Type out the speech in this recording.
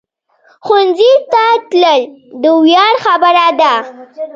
ښوونځی ته تلل د ویاړ خبره ده